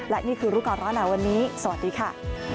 และนี่คือรู้ก่อนร้อนหนาวันนี้สวัสดีค่ะ